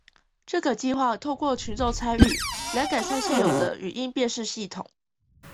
這個計畫透過群眾參與，來改善現有的語音辨識系統